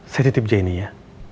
saya titip jenny ya